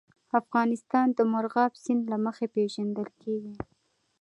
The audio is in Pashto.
افغانستان د مورغاب سیند له مخې پېژندل کېږي.